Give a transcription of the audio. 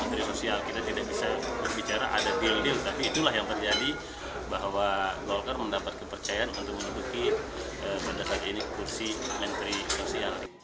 menteri sosial kita tidak bisa berbicara ada deal deal tapi itulah yang terjadi bahwa golkar mendapat kepercayaan untuk menuduki pada saat ini kursi menteri sosial